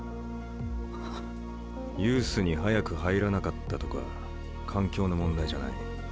ユースに早く入らなかったとか環境の問題じゃない。